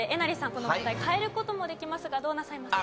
この問題変える事もできますがどうなさいますか？